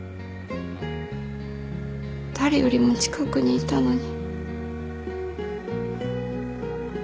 誰よりも近くにいたのに。